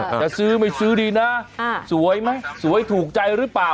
จะซื้อไม่ซื้อดีนะสวยไหมสวยถูกใจหรือเปล่า